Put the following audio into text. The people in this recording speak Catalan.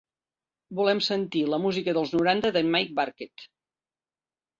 Volem sentir la música dels noranta d'en Mike Burkett.